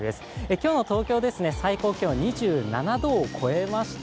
今日の東京ですが、最高気温は２７度を超えました。